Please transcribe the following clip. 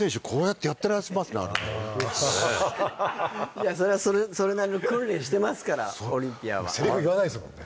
いやそれはそれなりの訓練してますからオリンピアンはセリフ言わないですもんね